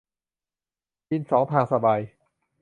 กินสองทางสบาย